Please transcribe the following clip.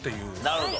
なるほど。